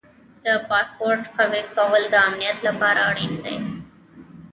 د پاسورډ قوي کول د امنیت لپاره اړین دي.